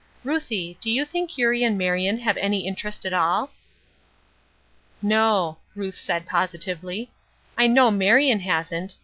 Ruthie, do you think Eurie and Marion have any interest at all?" "No," said Ruth, positively, "I know Marion hasn't.